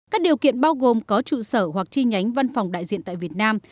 các điều kiện bao gồm có trụ sở hoặc chi nhánh văn phòng đại diện tại việt nam